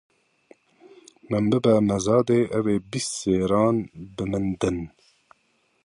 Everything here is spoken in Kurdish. Min bibe mezadê, ew ê bîst zêra di min din.